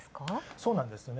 そうなんですよね。